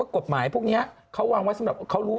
กฎหมายพวกนี้เขาวางไว้สำหรับเขารู้